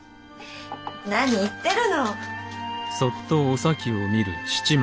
何言ってるの。